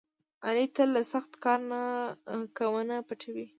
علي تل له سخت کار نه کونه پټوي.